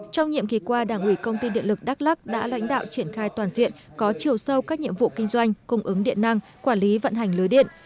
trong nhiệm kỳ qua đảng ủy công ty điện lực đắk lắc đã lãnh đạo triển khai toàn diện có chiều sâu các nhiệm vụ kinh doanh cung ứng điện năng quản lý vận hành lưới điện